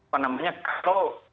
karena itu adalah